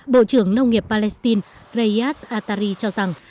bộ trưởng nông nghiệp palestine reyes atari cho rằng